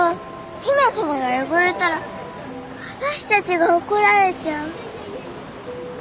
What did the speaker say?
姫様が汚れたら私たちが怒られちゃう。